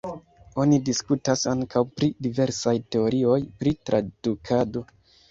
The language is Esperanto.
Oni diskutas ankaŭ pri diversaj teorioj pri tradukado.